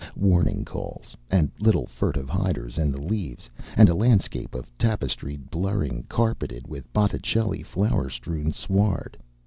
Warning calls, and little furtive hiders in the leaves, and a landscape of tapestried blurring carpeted with Botticelli flower strewn sward.